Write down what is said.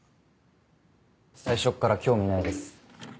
最初から興味ないです。